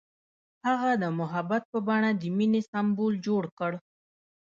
هغه د محبت په بڼه د مینې سمبول جوړ کړ.